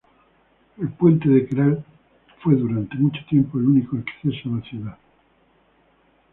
El puente de Queralt fue, durante mucho tiempo, el único acceso a la ciudad.